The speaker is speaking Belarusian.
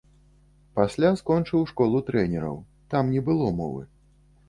Пасля скончыў школу трэнераў, там не было мовы.